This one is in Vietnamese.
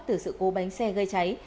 từ sự cố bánh xe gây cháy